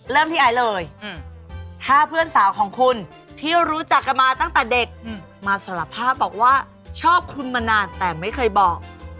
เริ่มที่ไอซ์เลยถ้าเพื่อนสาวของคุณที่รู้จักกันมาตั้งแต่เด็กมาสารภาพบอกว่าชอบคุณมานานแต่ไม่เคยบอก